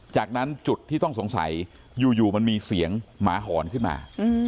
จากนั้นจุดที่ต้องสงสัยอยู่มันมีเสียงหมาหอนขึ้นมา